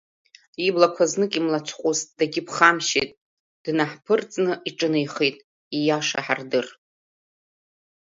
Иблақәа знык имлацәҟәыст, дагьыԥхамшьеит, днаҳԥырҵны иҿынеихеит, ииаша ҳардыр…